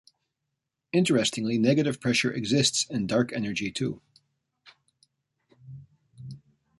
Interestingly, negative pressure exists in dark energy too.